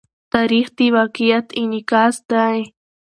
تاریخ د واقعیت انعکاس دی.